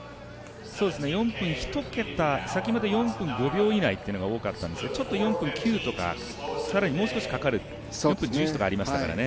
４分１桁、先ほどまで４分５秒以内というのが多かったんですけど、ちょっと４分９とかあるいはもう少しかかる４分１１とかもありましたからね。